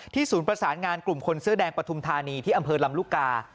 ศูนย์ประสานงานกลุ่มคนเสื้อแดงปฐุมธานีที่อำเภอลำลูกกา